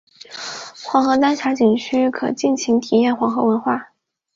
黄河丹霞景区可尽情体验黄河文化。